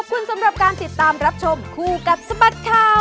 ขอบคุณสำหรับการติดตามรับชมคู่กับสบัดข่าว